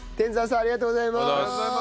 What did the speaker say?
ありがとうございます！